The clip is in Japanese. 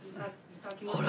ほら！